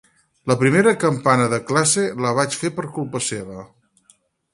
La primera campana de classe la vaig fer per culpa seva.